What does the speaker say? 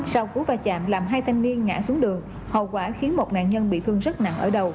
sau cú va chạm làm hai thanh niên ngã xuống đường hậu quả khiến một nạn nhân bị thương rất nặng ở đầu